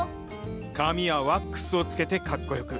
髪はワックスをつけてかっこよく。